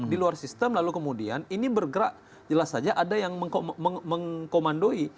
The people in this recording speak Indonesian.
di luar sistem lalu kemudian ini bergerak jelas saja ada yang mengkomandoi